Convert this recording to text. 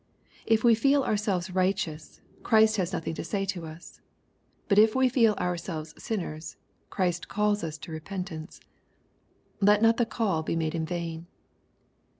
If we feel ourselves righteous, Christ has nothing to say to us. But if we feel ourselves sinners, Christ calls us to repentauce. Let not the call be made in vain.